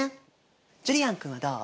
ジュリアン君はどう？